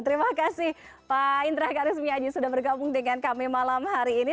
terima kasih pak indra garis miaji sudah bergabung dengan kami malam hari ini